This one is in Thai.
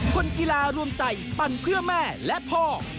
คนกีฬารวมใจปั่นเพื่อแม่และพ่อ